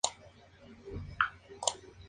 Es blando, pero mantiene su forma tras la fritura.